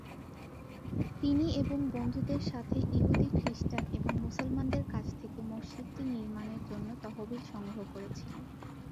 তিনি এবং বন্ধুদের সাথে, ইহুদি, খ্রিস্টান এবং মুসলমানদের কাছ থেকে মসজিদটি নির্মাণের জন্য তহবিল সংগ্রহ করেছিলেন।